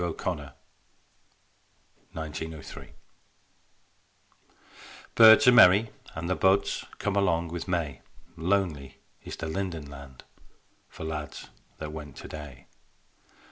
O'Connor, '03) Birds are merry and the buds Come along with May: Lonely is the linden land For lads that went today.